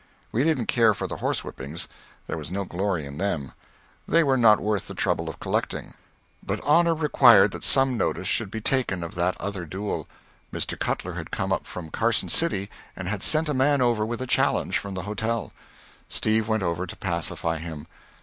We didn't care for the horse whippings; there was no glory in them; they were not worth the trouble of collecting. But honor required that some notice should be taken of that other duel. Mr. Cutler had come up from Carson City, and had sent a man over with a challenge from the hotel. Steve went over to pacify him.